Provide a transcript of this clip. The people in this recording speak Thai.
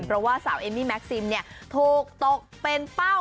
เพราะว่าสาวเอมมิแม็กสิมถูกตกเป็นเป้า